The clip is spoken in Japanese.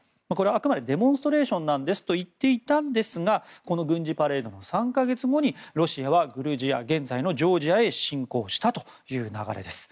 あくまでデモンストレーションと言っていたんですがこの軍事パレードの３か月後にロシアはグルジア、現在のジョージアへ侵攻したという流れです。